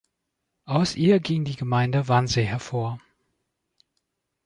Aus ihr ging die Gemeinde Wannsee hervor.